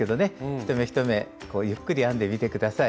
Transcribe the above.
一目一目ゆっくり編んでみて下さい。